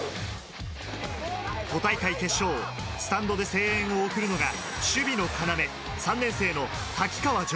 都大会決勝をスタンドで声援を送るのが守備の要、３年生の瀧川穣。